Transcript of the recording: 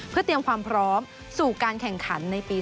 เพื่อเตรียมความพร้อมสู่การแข่งขันในปี๒๕